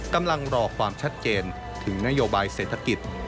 กำลังรอความชัดเจนถึงนโยบายเศรษฐกิจ